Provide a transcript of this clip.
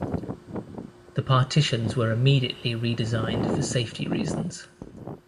The partitions were immediately re-designed for safety reasons.